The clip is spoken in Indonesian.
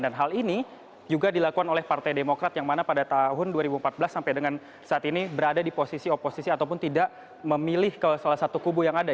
dan hal ini juga dilakukan oleh partai demokrat yang mana pada tahun dua ribu empat belas sampai dengan saat ini berada di posisi oposisi ataupun tidak memilih salah satu kubu yang ada